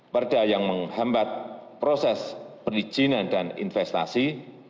perda yang menghambat proses perizinan dan investasi